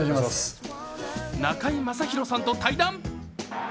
中居正広さんと対談。